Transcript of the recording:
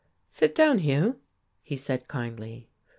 "Sit down, Hugh," he said kindly.